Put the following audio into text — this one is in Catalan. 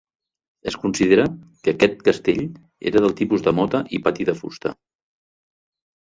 Es considera que aquest castell era del tipus de mota i pati de fusta.